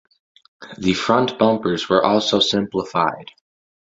The front bumpers were also simplified.